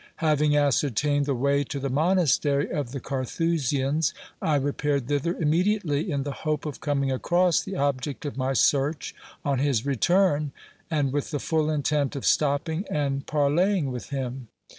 Having ascertained the way to the monaster} of the Carthusians, I repaired thither immediately, in the hope of coming across the object of my search on his return, and with the full intent of stopping and par leying with him.